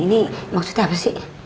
ini maksudnya apa sih